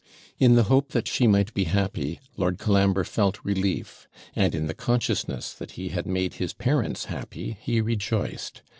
In the hope that she might be happy, Lord Colambre felt relief; and in the consciousness that he had made his parents happy, he rejoiced.